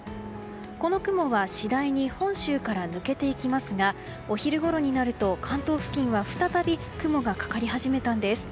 この雲は次第に本州から抜けていきますがお昼ごろになると関東付近は再び雲がかかり始めたんです。